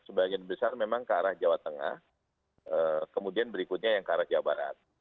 sebagian besar memang ke arah jawa tengah kemudian berikutnya yang ke arah jawa barat